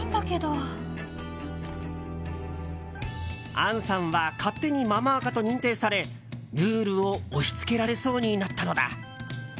杏さんは勝手にママ垢と認定されルールを押し付けられそうになったのだ。